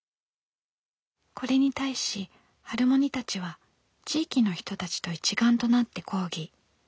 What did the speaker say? これに対しハルモニたちは地域の人たちと一丸となって抗議。